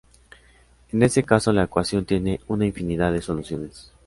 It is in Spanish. En ese caso la ecuación tiene una infinidad de soluciones.